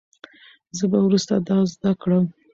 زه به وروسته دا زده کړم.